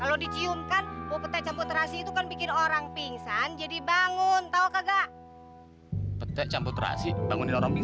aku bakal bantuin papa untuk nyembuhin si tampan